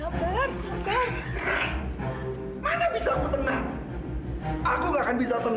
patung enam belas konten